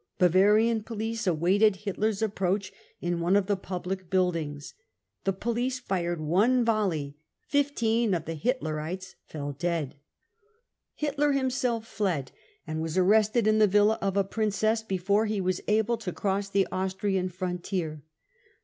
Bavarian police aWaited Hitler's approach in one of the public buildings. The police ; fired one volley : fifteen of the Hitlerites fell dead. Hitler A *.• THE PATH TO POWER 2g himself fled and was arrested in the villa of a priflcess before* lie was able to cross the Austrian frontier.